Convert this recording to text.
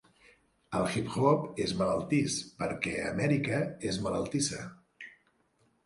El Hip Hop és malaltís per què Amèrica és malaltissa.